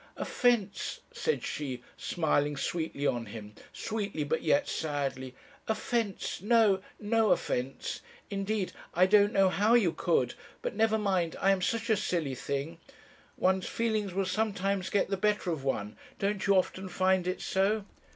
"'Offence!' said she, smiling sweetly on him; sweetly, but yet sadly. 'Offence! no no offence. Indeed, I don't know how you could but never mind I am such a silly thing. One's feelings will sometimes get the better of one; don't you often find it so?'